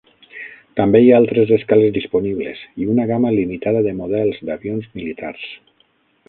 També hi ha altres escales disponibles i una gamma limitada de models d'avions militars.